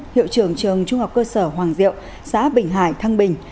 hiệu trưởng trường trung học cơ sở hoàng diệu xã bình hải thăng bình